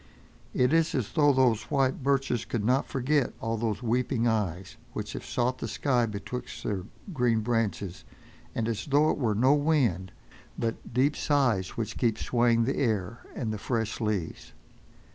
It is as though those white birches could not forget all those weeping eyes, which have sought the sky betwixt their green branches, and as though it were no wind, but deep sighs which keep swaying the air and the fresh leaves.